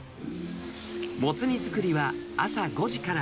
モツ煮作りは朝５時から。